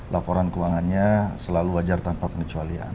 laporan keuangannya selalu wajar tanpa pengecualian